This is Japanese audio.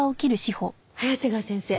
早瀬川先生。